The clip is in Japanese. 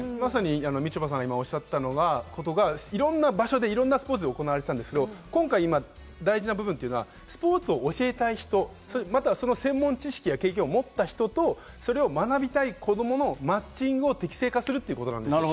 まさに、みちょぱさんがおっしゃったのがいろんな場所でいろんなスポーツで行われてたんですけれども、今回大事な部分はスポーツを教えたい人、専門知識や経験を持った人と、それを学びたい子供のマッチングを適正化するということなんですよ。